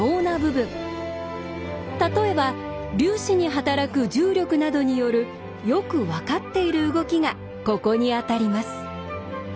例えば粒子に働く重力などによるよく分かっている動きがここに当たります。